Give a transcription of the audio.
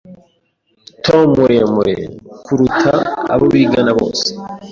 Tom muremure kuruta abo bigana bose.